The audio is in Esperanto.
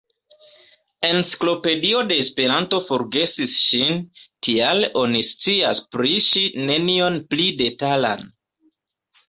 Enciklopedio de Esperanto forgesis ŝin, tial oni scias pri ŝi nenion pli detalan.